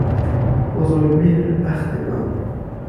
بزرگمهر بختگان